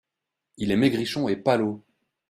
Il est maigrichon et palot.